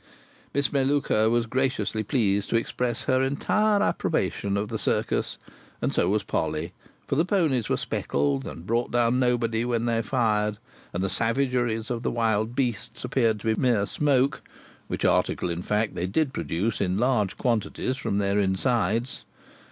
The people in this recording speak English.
Miss Melluka was graciously pleased to express her entire approbation of the Circus, and so was Polly; for the ponies were speckled, and brought down nobody when they fired, and the savagery of the wild beasts appeared to be mere smoke—which article, in fact, they did produce in large quantities from their insides.